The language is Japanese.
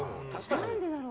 何でだろう？